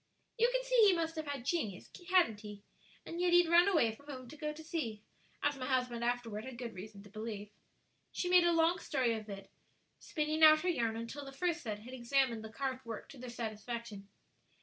"You can see he must have had genius; hadn't he? and yet he'd run away from home to go to sea, as my husband afterward had good reason to believe." She made a long story of it, spinning out her yarn until the first set had examined the carved work to their satisfaction.